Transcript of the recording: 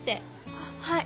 あっはい。